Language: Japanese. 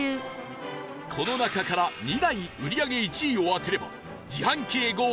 この中から２台売り上げ１位を当てれば自販機へゴー！